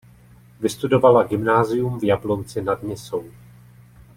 Vystudovala gymnázium v Jablonci nad Nisou.